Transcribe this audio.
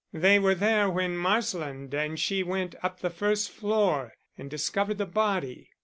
"They were there when Marsland and she went up to the first floor and discovered the body.